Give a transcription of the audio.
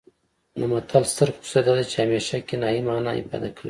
د متل ستر خصوصیت دا دی چې همیشه کنايي مانا افاده کوي